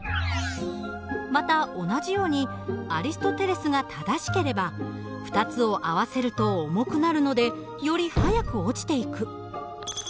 また同じようにアリストテレスが正しければ２つを合わせると重くなるのでより速く落ちていく。